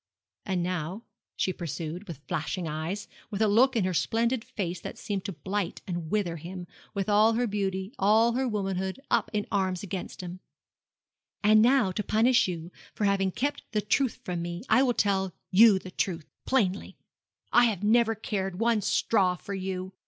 And now,' she pursued, with flashing eyes, with a look in her splendid face that seemed to blight and wither him, with all her beauty, all her womanhood, up in arms against him, 'and now to punish you for having kept the truth from me, I will tell you the truth plainly. I have never cared one straw for you.